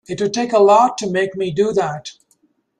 It would take a lot to make me do that.